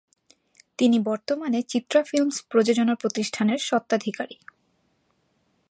তিনি বর্তমানে চিত্রা ফিল্মস প্রযোজনা প্রতিষ্ঠানের স্বত্বাধিকারী।